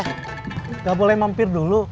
kita boleh mampir dulu